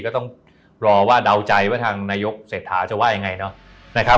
ก็ต้องรอว่าดาวใจว่าทางนายกเสร็จท้าจะว่าอย่างไร